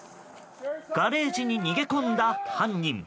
ガレージに逃げ込んだ犯人。